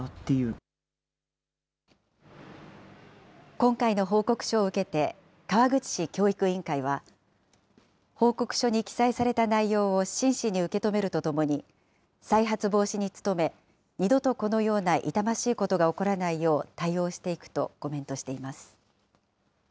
今回の報告書を受けて、川口市教育委員会は、報告書に記載された内容を真摯に受け止めるとともに、再発防止に努め、二度とこのような痛ましいことが起こらないよう、対応していくとコメントしています。